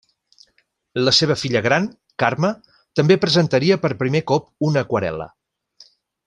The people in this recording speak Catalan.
La seva filla gran, Carme, també presentaria per primer cop una aquarel·la.